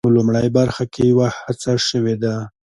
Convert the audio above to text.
په لومړۍ برخه کې یوه هڅه شوې ده.